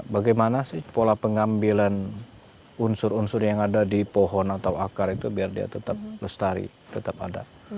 bagaimana sih pola pengambilan unsur unsur yang ada di pohon atau akar itu biar dia tetap lestari tetap ada